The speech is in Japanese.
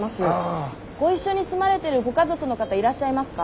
ご一緒に住まれてるご家族の方いらっしゃいますか？